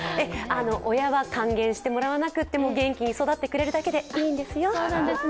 親は還元してもらわなくても、元気に育ってくれるだけでいいんですよ。